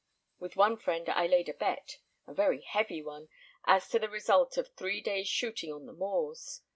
With one friend I laid a bet, a very heavy one, as to the result of three days' shooting on the moors.